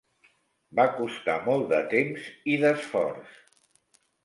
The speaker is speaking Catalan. Va costar molt de temps i d'esforç.